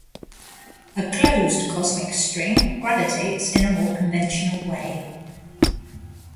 A closed cosmic string gravitates in a more conventional way.